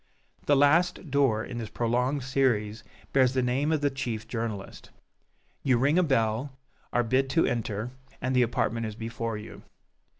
The last door in this prolonged series bears the name of the chief journalist. You ring a bell, are bid to enter, and the apartment is before you.